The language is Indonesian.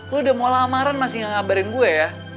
lo udah mau lamaran masih gak ngabarin gue ya